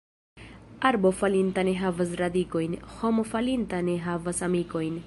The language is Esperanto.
Arbo falinta ne havas radikojn, homo falinta ne havas amikojn.